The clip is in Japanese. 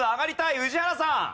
宇治原さん。